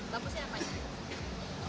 bagus sih apa sih